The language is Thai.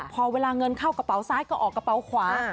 พอเวลาเงินเข้ากระเป๋าซ้ายก็ออกกระเป๋าขวา